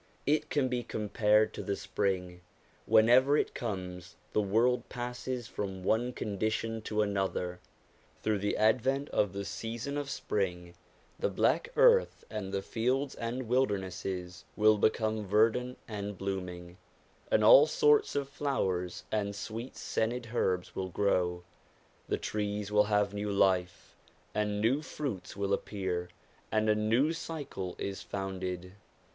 It can be compared to the spring ; whenever it comes, the world passes from one condition to another. Through the advent of the season of spring the black earth and the fields and wildernesses will become verdant and bloom ing, and all sorts of flowers and sweet scented herbs will grow ; the trees will have new life, and new fruits will appear, and a new cycle is founded.